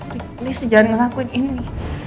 riki please jangan ngelakuin ini